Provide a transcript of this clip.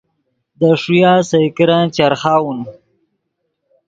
دے ݰویہ سئے کرن چرخاؤن